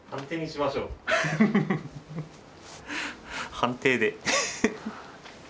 判定で。